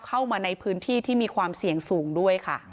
เข้ามาในพื้นที่ที่มีความเสี่ยงสูงด้วยค่ะ